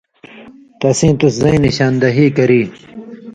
تسیں تُس زَیں نِشان دہی کری